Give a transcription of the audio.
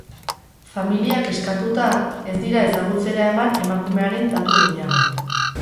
Familiak eskatuta, ez dira ezagutzera eman emakumearen datu gehiago.